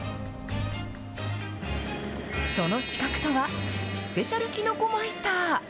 その資格とは、スペシャルきのこマイスター。